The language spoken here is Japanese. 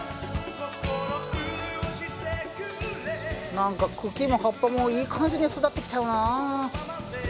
何か茎も葉っぱもいい感じに育ってきたよな。